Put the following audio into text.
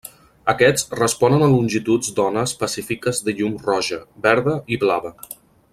Aquests responen a longituds d'ona específiques de llum roja, verda i blava.